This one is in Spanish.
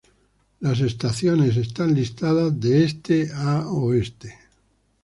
Las estaciones están listadas de este a oeste.